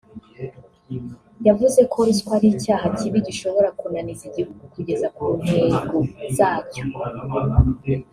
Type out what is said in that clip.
yavuze ko ruswa ari icyaha kibi gishobora kunaniza igihugu kugera ku ntego zacyo